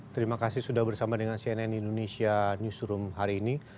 terima kasih sudah bersama dengan cnn indonesia newsroom hari ini